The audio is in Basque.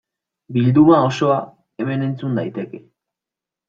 Bilduma osoa hemen entzun daiteke.